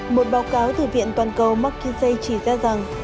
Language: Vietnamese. một báo cáo từ viện toàn cầu mckinsey chỉ ra rằng